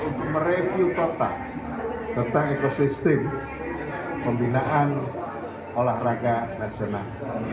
untuk mereview total ekosistem pembinaan olahraga nasional